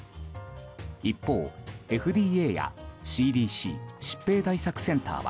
一方、ＦＤＡやＣＤＣ・疾病対策センターは